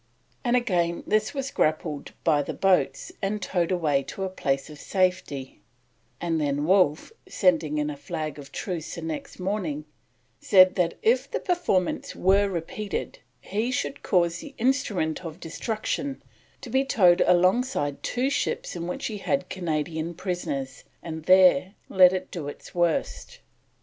and again this was grappled by the boats and towed away to a place of safety; and then Wolfe, sending in a flag of truce the next morning, said that if the performance were repeated he should cause the instrument of destruction to be towed alongside two ships in which he had Canadian prisoners, and there let it do its worst.